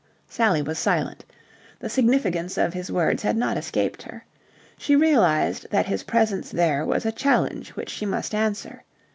Sally was silent. The significance of his words had not escaped her. She realized that his presence there was a challenge which she must answer.